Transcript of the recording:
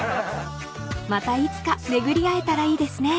［またいつか巡り会えたらいいですね］